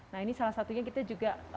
nah ini salah satunya kita juga